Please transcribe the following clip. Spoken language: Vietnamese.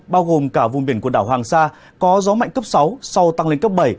bao gồm cả vùng biển quần đảo hoàng sa có gió mạnh cấp sáu sau tăng lên cấp bảy